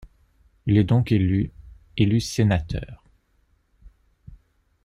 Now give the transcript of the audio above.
Il est donc élu sénateur.